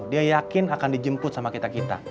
dia yakin akan dijemput sama kita kita